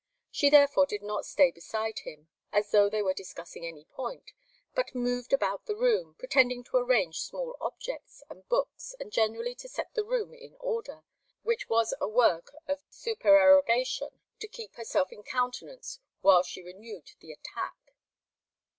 She therefore did not stay beside him, as though they were discussing any point, but moved about the room, pretending to arrange small objects and books and generally to set the room in order, which was a work of supererogation, to keep herself in countenance while she renewed the attack.